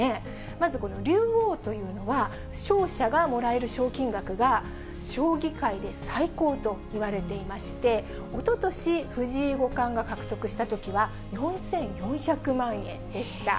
まずこの竜王というのは、勝者がもらえる賞金額が将棋界で最高といわれていまして、おととし藤井五冠が獲得したときは４４００万円でした。